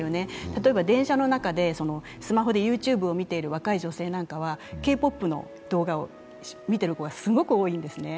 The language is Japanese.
例えば、電車の中でスマホでＹｏｕＴｕｂｅを見ている若い女性などはＫ−ＰＯＰの動画を見てる子がすごく多いんですね。